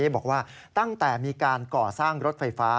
บอกว่าตั้งแต่มีการก่อสร้างรถไฟฟ้า